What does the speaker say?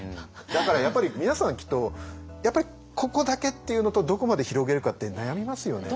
だからやっぱり皆さんはきっとやっぱりここだけっていうのとどこまで広げるかって悩みますよね。